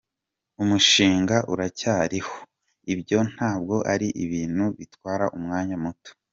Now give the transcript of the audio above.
Umushinga uracyariho … ibyo ntabwo ari ibintu bitwara umwanya muto.